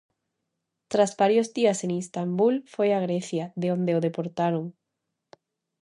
Tras varios días en Istambul foi a Grecia, de onde o deportaron.